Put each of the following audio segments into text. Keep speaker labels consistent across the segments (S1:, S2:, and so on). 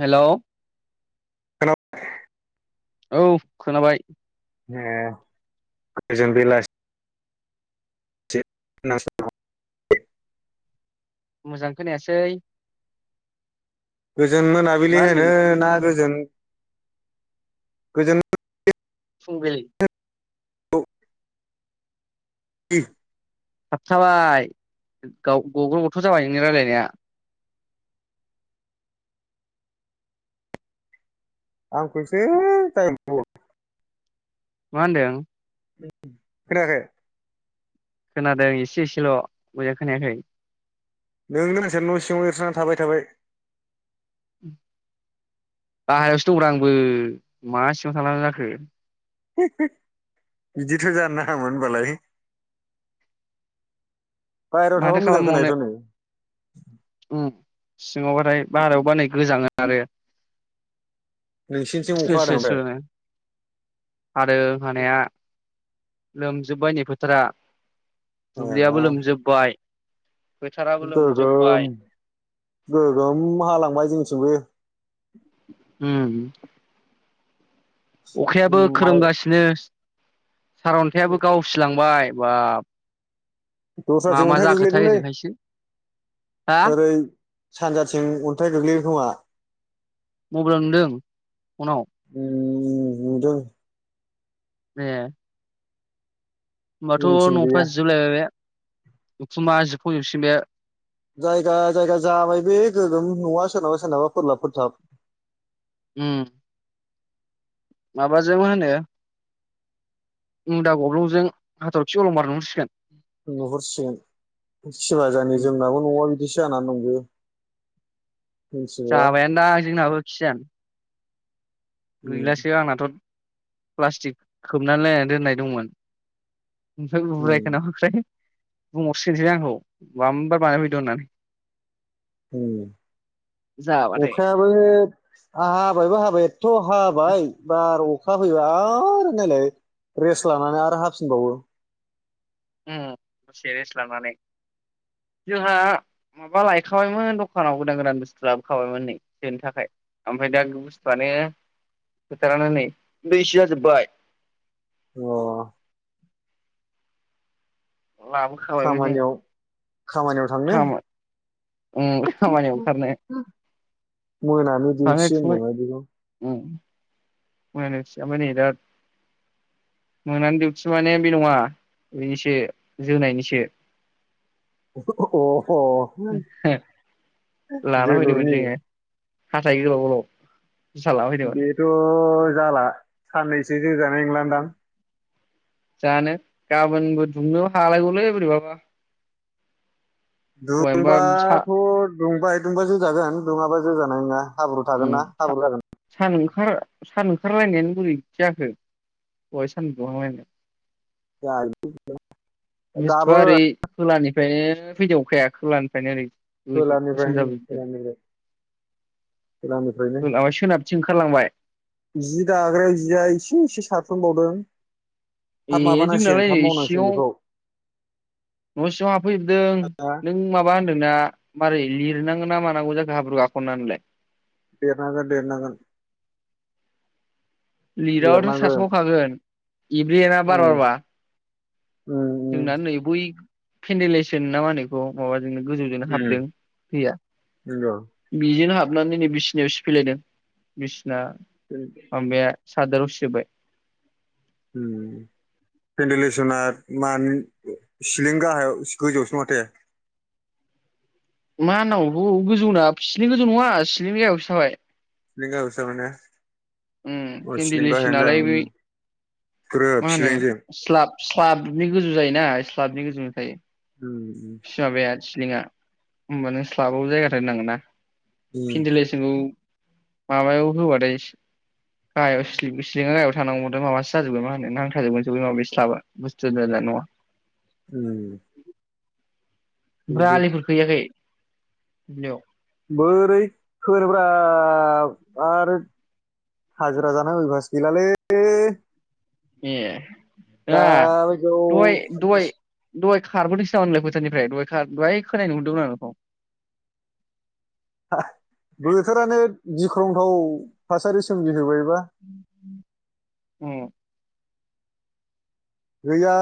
S1: Hello
S2: ए
S1: औ खोनाबाय
S2: ए गोजोन बेलासि [unintelligible]
S1: मोजां खोनायासै
S2: गोजोन मोनाबिलि
S1: मा होनदों
S2: होनो ना गोजोन गोजोन
S1: फुंबिलि
S2: [unintelligible]
S1: थाबथाबाय गाव गग्र' गथ' जाबाय नोंनि रायज्लायनाया
S2: आंखौसो टाइम
S1: मा होनदों
S2: खानायाखै
S1: खोनादों एसे एसेल' मोजां खोनायाखै
S2: नोंनो नोंसोर न' सिङाव एरसोनै थाबाय थाबाय
S1: गाहायावसो दंरा आंबो मा सिङाव थां जाखो
S2: बिदिथ' जानो नाङामोन होनबालाय बायेरायाव
S1: माथो
S2: थाबा मोजां
S1: खालामबावनो
S2: खोनायोथ' नै
S1: ओमफ्राय बाहेरायाव बानाय गोजाङो आरो
S2: नोंसिनिथिं अखा हादों
S1: स स
S2: ओमफ्राय
S1: आरो
S2: ए
S1: हानाया लोमजोबाय नै फोथारा दुब्लियाबो लोमजोब [inaudible]
S2: गोगोम गोगोम हालांबाय जोंनिथिंबो
S1: उम अखायाबो
S2: ओमफ्राय
S1: खोरोमगासिनो सारअन्थायाबो गावसिलांबाय बाब मा
S2: दस्राथिं
S1: मा
S2: अन्थाइ
S1: जाखोथाय
S2: गोग्लैदोंलै
S1: ओजोंहायसो हा
S2: ओरै सानजाथिं अन्थाइ गोग्लैदों खोमा
S1: मबाइलाव नुदों फनाव
S2: नुदों
S1: ए होमबाथ'
S2: जोंनिथिं गैया
S1: न'फ्रा जिजोबलायबाय बे उखुमा जिब [unintelligible] बे
S2: जायगा जायगा जाबाय बे गोगोम नङा सोरनाबा सोरनाबा फोरलाबफोरथाब
S1: उम माबाजोंबो होनो मुन्दा गब्लंजों हाथरखि अलं बारहरसिगोन
S2: नुहरसिगोन सिमा जानि
S1: उम
S2: जोंनाबो न'आव बिदि [unintelligible]
S1: जाबाय दा जोंनाबो खिया
S2: उम
S1: गैलासो आंनाथ' प्लास्टिक खोबनानै लायनानै दोननाय दंमोन ओमफ्राय
S2: उम
S1: बुरायखोना [unintelligible] बुंहरसिगनसैलाय बे आंखौ मामबार बानायफैदो होननानै जाबाथाय
S2: अखायाबो हाबायबो हाबाय एथ' हाब बाय बा आरो अखा फैबा आरो नायलाय रेस्ट लानानै आरो हाफिनबावो
S1: उ दसे रेस्ट लानानै जोंहा माबा लायखाबायमोन दखानाव गोदान गोदान बुस्थु लाबोखाबायमोन नै सोनो थाखाय ओमफ्राय दा बुस्थुआनो फोथारानो नै दैसो जाजोब्बाय
S2: अ
S1: लाबोखाबायबो जोङ।
S2: खामानियाव खामानियाव थांनो
S1: खाम उम खामानियानो खारनो हायाखै।
S2: मोनानि दिसि [unintelligible]
S1: उम मोनानि दिउथि ओमफ्राय नै दा मोनानि दिउथि माने बे नङा बेनिसो जोनायनिसो
S2: अ
S1: लाना फैदोंमोन
S2: जोलुरनि
S1: जोङो हाथाय गोलाव गोलाव। जुथा लाना फैदोंमोन
S2: बेथ' जाला साननैसो गोजानाय नंलदां
S1: जानो गाबोनबो दुमनो हालायगौलै बोरैबाबा। दहायनोबा सा
S2: दुंबाथ' दुंबाय दुंबा जो जागोन दुङाबा जो जाग नोंया हाब्रु
S1: उम
S2: थागोन ना
S1: सा
S2: हाब्रु जागोन।
S1: सान ओंखार सान ओंखारलायनायानो बुरैथि जाखो बेहाय सान बुहांलायनाय
S2: [unintelligible]
S1: बिस्था ओरै
S2: गाबोन
S1: खोलानि ओमफ्राय फैदावखाया खोलानिफ्रायनो ओरै गोसोम
S2: खोलानिफ्राय
S1: जाबोजोबदों
S2: खोलानिफ्रायनो
S1: माबा सोनाबथिं ओंखारलांबाय
S2: जि दाग्रायाव जिया एसे एसे सार। फनबावदों
S1: ए जोंनालाय सिङाव
S2: बेखौ
S1: न' सिङाव हफैजोबदों
S2: हा
S1: नों माबा होनदों। नोंना माबारै लिरनांगोन ना मानांगौ जायाखो हाब्रु गाखोननानैलाय
S2: लिरनांगोन लिरनांगोन।
S1: लिराबावथ' सतस'खागोन एब्रेआ बार'
S2: उम
S1: बारबा
S2: उम
S1: जोंना नै बै फेडलेसन ना मा होनो बेखौ माबा नो गोजौजोंनो
S2: उम
S1: हाबदों फैया
S2: नंगौ
S1: बिजोंनो हाबदों। हाबनानै नै बिसिनियाव सिफैलायदों बिसि ना [unintelligible] सादाराव सिजोबबाय
S2: पेन्डेलेसना मारै सिलिं गाहायाव गोजौसो माथो।
S1: मा होनावथ गोजौना सिलिं गोजौ नङा सि्लिनि गायावसो जाबाय।
S2: बे गाहायावसो जाबाय ने
S1: उम
S2: अ सिलिं
S1: केन्डेल एस
S2: गाहायानो
S1: नालाय
S2: जागोन
S1: बै
S2: ग्रोब
S1: मा होनो
S2: सिलिंजों
S1: स्लाब स्लाबनि गोजौ जायोना। साबनि गोजौ थायो।
S2: [inaudible]
S1: सिलिंआ होमबानो स्लाबाबो जायगाथार होननांगोन ना
S2: उम
S1: फिनदोलेसनखौ माबायाव होबाथाय गाहायाव सिङा गाहायाव थांनांगौबाथाय माबासो जाजोबगोन मा होनो नांथाजोबगोन स माबि स्लाबा बुस्थुवा जानाय नङा
S2: [inaudible]
S1: ओमफ्राय
S2: बिदि
S1: आलिफोर गैयाखै बियाव
S2: बोरै खोनोब्रा आरो हाजिरा जान उबासो गैलालै
S1: ए हेल दय
S2: दा बायदियाव
S1: दय दय दय खारबोदोंसै नाम मोनलाय फोथारानिफ्राय दहाय दहाय खोनाय नुहरदोंमोन आरो नोंखौ
S2: बोथोरानो गिख्रंथाव थासारि सोमजिहोबाय
S1: औ
S2: गैया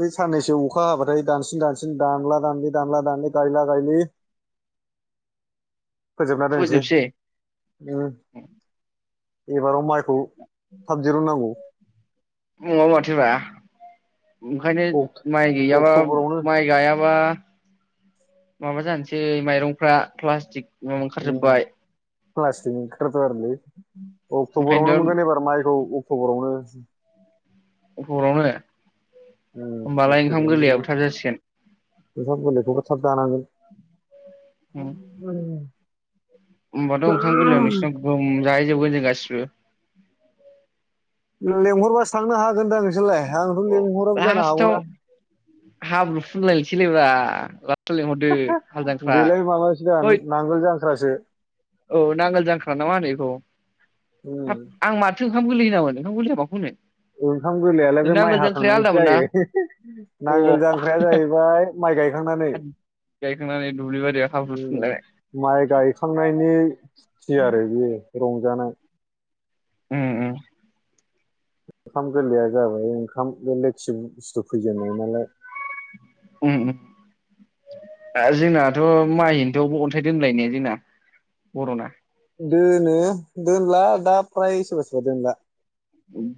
S2: बे साननैसो अखा हाबाथाय दानसिन दानसिन दानला दानलि दानला दान गायला गायलि फोजोबना दोननोसै
S1: फोजोबसै
S2: उम एबाराव माइ खौ थाब दिरुन नांगौ
S1: नङा माथोब्रा ओंखायनो माइ गैयाबा माइ गायाबा माबा जानसै माइरंफ्रा प्लास थिग माबा ओंखारजोबबाय
S2: प्लासटिक नि ओंखारोथ' आरोलै अक्ट'बरावनो
S1: ओंखायनोथ'
S2: मोनगोन एबार माइखौ अक थबरावनो
S1: अक्टबर आवनो
S2: उम
S1: होमबालाय ओंखाम
S2: अक्ट'बरावनो
S1: गोरलैयाबो थाब जासिगोन
S2: ओंखाम गोरलैखौबो थाब जानांगोन [inaudible]
S1: होमबाथ' ओंखाम गोरलैयाव नोंसिनाव गोगोम जाहै जोबगोन जों गासिब बो
S2: उम लेंहरबासो थांनो हाग गोन दा नो सोरलाय आंथ' लिंहराबो जानो
S1: लास्टाव
S2: हागौना
S1: हाब्रु [unintelligible]
S2: हा हा
S1: हाल जांख्रा
S2: बिलाय माबासो दा
S1: हैद
S2: नांगोल जां ख्रासो
S1: औ नांगोल जांख्रा नामा होनो एखौ हाब आं माथो ओंखाम गोरलै होनामोन ओंखाम गोरलैया माखौ होनो
S2: ओंखाम गोरलै आलाय बे माइ
S1: नांगोल जांख्राया
S2: हाखांनानैसो
S1: आलदामोन ना
S2: जायो [unintelligible] नांगोल
S1: अ
S2: जांख्राया जाहैबाय माइ गायखांनानै
S1: गायखांनानै दुब्लि बारियाव हाब्रु
S2: उम
S1: फुनलायनाय
S2: माइ गायखांनायनि ओइ फुथि आरो बेयो रंजानाय
S1: उम उम
S2: ओंखाम गोरलैया जाबाय ओंखाम बे लेथि बुस्थु फैजेननाय नालाय
S1: आ जोंनाथ' माइहेन दोआवबो अन्थाइ दोनलायनाया जोंना बर'ना
S2: दोनो दोनला दा फ्राय सोरबा सोरबा दोनला
S1: उम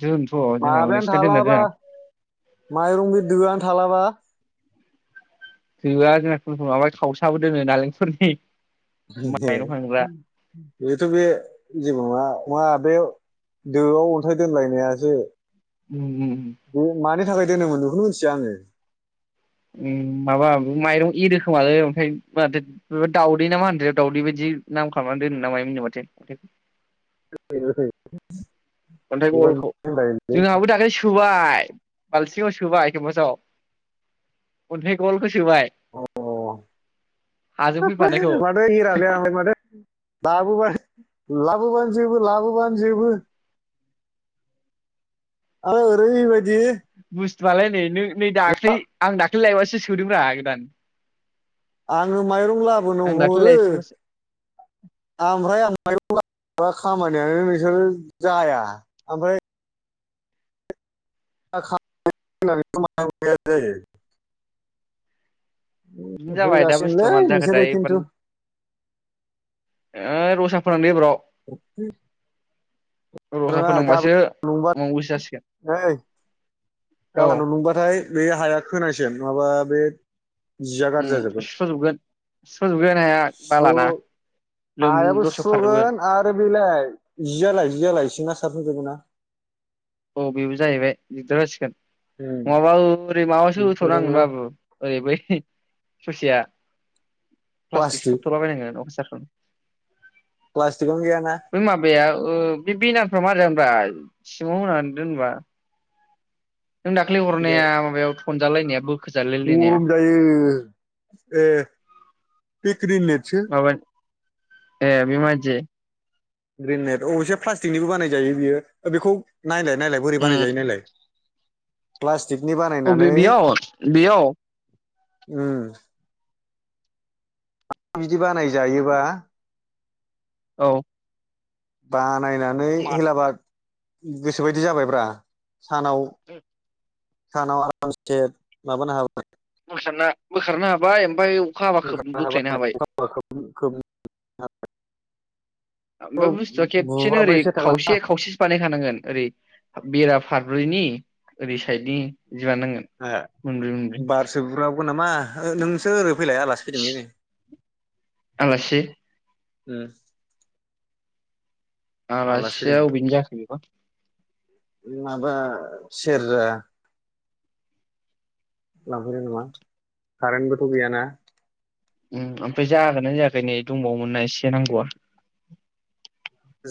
S2: माबायानो थालाबा माइरं बि दोआनो थालाबा [inaudible]
S1: दोआ जोंना [unintelligible] माबा खावसाबो दोङो नालेंखरनि माइरं खांग्रा
S2: बेथ' बे जेबो नङा नङा बे दोआव अन्थाइ दोनलायनायासो
S1: उम
S2: बेनि थाखाय दोनोमोन बेखौनो मिथिया आङो
S1: उम माबा माइरं एरोखोमालै ओमफ्राय माथो दाउदै ना मा होनदो दाउदै बायदि नाम खालामनानै दोनो ना माय मोननो माथो
S2: [unintelligible]
S1: अन्थाइखौलखौ
S2: मिथिया
S1: जोंहाबो दाख्लै सुबोबाय बालथिंङाव सोबाय एखेबााथ अनथाय गलखौ सोबाय
S2: [unintelligible]
S1: हाजों फैफानायखौ
S2: लाबोबानो जोबो लाबोबानो जोबो आरो ओरैबायदि दि
S1: बालाय नैनो नै दाख्लै आं दाख्लै द लायबासो सोदोंब्रा गोदान
S2: आङो माइरं लाबोनो
S1: आं दाख्लै
S2: हरो
S1: लायफिनबासो
S2: ओमफ्राय आं माइरं खामानियानो नोंसोरो जाया ओमफ्राय जायो [unintelligible]
S1: बिदिनो जाबाय
S2: होजा
S1: दा बुस्थुआ
S2: सिगोनलै
S1: मानो जाखोथाय
S2: नोंसोरो
S1: एबार
S2: खिन्थु
S1: ओइ रसा फोनांदो एबाराव
S2: अ
S1: रसा फोनांबासो
S2: नंबा
S1: मावनो गोसो जासिगोन औ
S2: गाबोनाव नंबाथाय बे हाया खोनायसै माबा बे जिया गाज्रि
S1: उम
S2: जाजोबगोन
S1: सुस्र'जोबगोन सुस्र'जोबगोन हाया बालाना लोम
S2: हायाबो
S1: दसेयाव खारजोबगोन
S2: सुस्रगोन आरो बेलाय जियालाय जियालाय सिंना सारफुंजोबगोन ना
S1: औ बेबो जाहैबाय दिगदार जासिगोन
S2: उम
S1: नङाबा ओरै माबासो होथ'नांगोन
S2: बेफोरावनो
S1: बाबु ओरै बै सुसेया प्लास्टिक सेबथ'लाबायनांगोन अफसार औ
S2: प्लास्टिकनो गैया ना
S1: माबाया बे बेनारफ्रा मारै जागोन ब्रा मना दोनबा नों दाख्लै हरनाया
S2: बिराद
S1: माबायाव जालाय नायाबु
S2: गरम दायो ए स्क्रिन नेटसो
S1: माबा [unintelligible]
S2: ग्रेेनट अबयसे प्लास्टिकनिबो बानायजायो बियो बेखौ नायलाय नायलाय बोरै
S1: उम
S2: बानायजायो नायलाय फ्लस
S1: अ बियाव बियाव
S2: उम बिदि बानाय जायोबा
S1: औ
S2: बा नायनानै
S1: माथो
S2: हेलाबाद गोसो बायदि जाबायब्रा सानाव सानाव आरामसे माबानो हाबाय
S1: ना बोखारनो हाबाय ओमफ्राय अखा हाबा खोब
S2: बोखांनो
S1: बोख्लायनो हाबाय
S2: हाबाय [unintelligible]
S1: ओमफ्राय बुस्थुआ खेबसेनो ओरै
S2: बुब्राबबायसो थांनो
S1: खावसे खावसेसो बानायखानांगोन ओरै बेराफारब्रैनि ओरै साइदनि बिबदि बानायनांगोन
S2: ए
S1: मोनब्रै मोनब्रै
S2: बारसो बुब्राबगोन नामा नोंसोर ओरै फैलाय आलासि फैदोंलै नै
S1: आलासि
S2: उम आलासि
S1: आलासिया
S2: फैदों
S1: अबेनि जाखो बेखौ
S2: माबा सेरजा लांफैदों नामा कारेन्टबोथ' गैयाना
S1: उम ओमफ्राय जागोनना जायाखै नै दंबावोमोनना नै एसे नांगौआ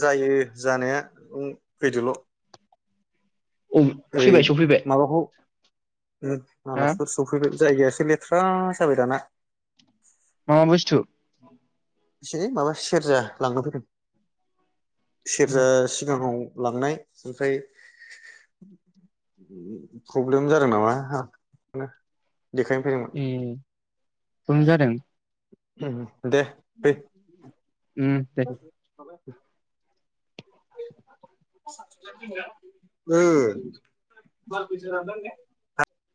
S2: जायो जानाया फैदोल'
S1: अ
S2: ओरै
S1: फैबाय सफैबाय
S2: माबाखौ
S1: हा
S2: आलासिफोर सफैबाय जायगायासो लेथ्रा अखासो हाबायदाना
S1: मामा बुस्थु
S2: एसेै माबा सेरजा लांनो फैगोन सेरजा सिगाङाव लांनाय ओमफ्राय प्रब्लेम जादों नामा देखायनो फैदोंमोन
S1: खम जादों
S2: उ
S1: उ दे
S2: [unintelligible] ओ [unintelligible]